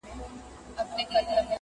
o بده ښځه تنگه موچڼه ده٫